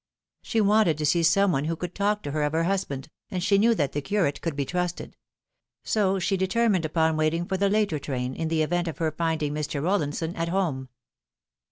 She wanted to see some one who would talk to her of her husbaud, and she knew that the curate could be trusted ; so she deter mined upon waiting for the later train, in the event of her find ing Mr. Eollinson at home.